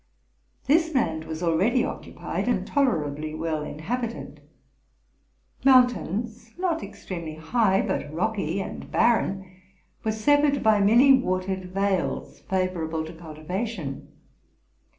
This land was already oecu pied, and tolerably well inhabited. Mountains, not extreme ly high, but rocky and barren, were severed by many wate ed vales favorable to cultivation.